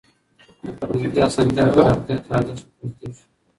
د فرهنګي اسانتياوو پراختيا ته ارزښت ورکول کيږي.